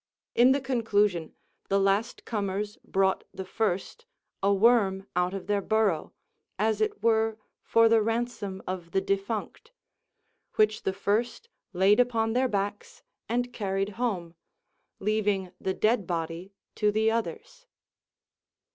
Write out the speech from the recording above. In the conclusion, the last comers brought the first a worm out of their burrow, as it were for the ransom of the defunct, which the first laid upon their backs and carried home, leaving the dead body to the others."